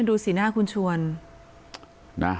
ดูสีหน้าคุณชวนนะ